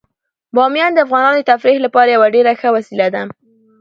بامیان د افغانانو د تفریح لپاره یوه ډیره ښه وسیله ده.